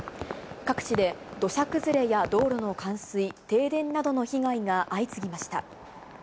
各地で土砂崩れや道路の冠水、停電などの被害が相次ぎました。